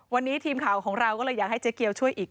วันนี้ทีมข่าวของเราก็เลยอยากให้เจ๊เกียวช่วยอีก